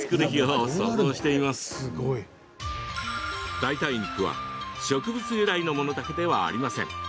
代替肉は植物由来のものだけではありません。